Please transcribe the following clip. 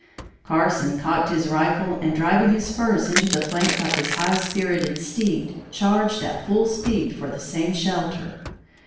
Carson cocked his rifle and driving his spurs into the flanks of his high spirited steed, charged at full speed for the same shelter.